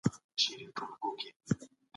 په سياسي بهير کي د خلګو ارزښت مهم دی.